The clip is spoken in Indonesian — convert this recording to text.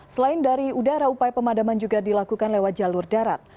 selain dari udara upaya pemadaman juga dilakukan lewat jalur darat